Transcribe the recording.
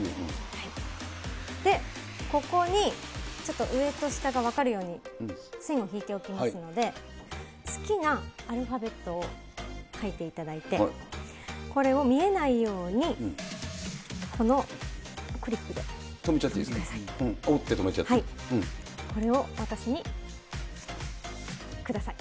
で、ここに、ちょっと上と下が分かるように、線を引いておきますので、好きなアルファベットを書いていただいて、これを見えないように、このクリップで留めてください。